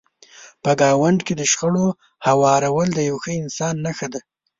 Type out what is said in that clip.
په ګاونډ کې د شخړو هوارول د یو ښه انسان نښه ده.